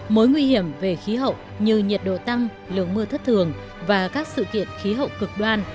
mối nguy hiểm về khí hậu như nhiệt độ tăng lượng mưa thất thường và các sự kiện khí hậu cực đoan